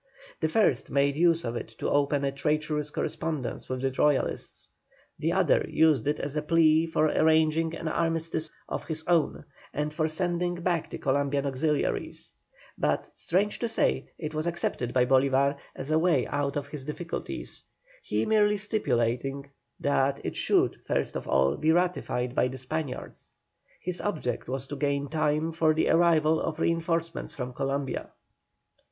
The first made use of it to open a traitorous correspondence with the Royalists, the other used it as a plea for arranging an armistice of his own, and for sending back the Columbian auxiliaries; but, strange to say, it was accepted by Bolívar as a way out of his difficulties, he merely stipulating that it should, first of all, be ratified by the Spaniards. His object was to gain time for the arrival of reinforcements from Columbia.